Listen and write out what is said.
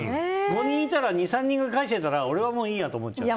５人いたら２３人が返したら俺はいいやと思っちゃう。